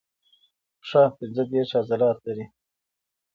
پښه پنځه دیرش عضلات لري.